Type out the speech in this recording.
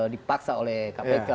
dipaksa oleh kpk